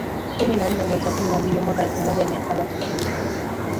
kumi na nne mwezi wa kumi na mbili mwaka elfu moja mia saba tisini